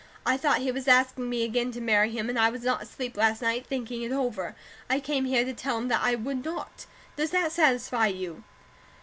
I thought he was asking me again to marry him, and I was not asleep last night, thinking it over. I came here to tell him that I would not. Does that satisfy you?"